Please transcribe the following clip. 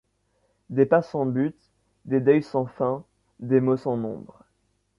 Des pas sans but, des deuils sans fin, des maux sans nombre.